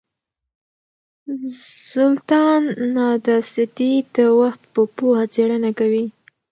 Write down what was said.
زولتان ناداسدي د وخت په پوهه څېړنه کوي.